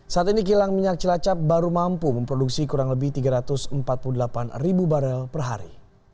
saat ini kilang minyak cilacap baru mampu memproduksi kurang lebih tiga ratus empat puluh delapan ribu barel per hari